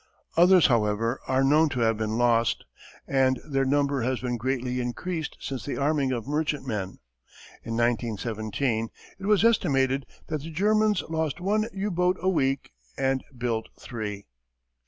Others, however, are known to have been lost, and their number has been greatly increased since the arming of merchantmen. In 1917 it was estimated that the Germans lost one U boat a week and built three.